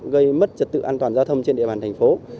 gây mất trật tự an toàn giao thông trên địa bàn thành phố